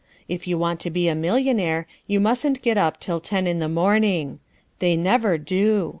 If you want to be a millionaire you mustn't get up till ten in the morning. They never do.